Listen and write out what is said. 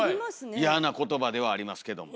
嫌な言葉ではありますけども。